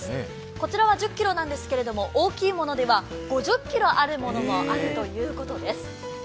こちらは１０ｋｇなんですけれども、大きい者では５０ｋｇあるものもあるということです。